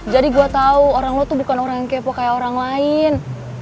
jadi gue tau orang lo tuh bukan orang yang kepo kayak orang lain